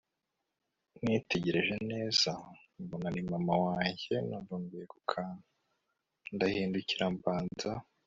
nitegereje neza mbona ni mama wanjye numva nguye kukantu, ndahindukira mbanza